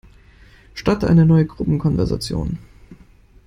Starte eine neue Gruppenkonversation.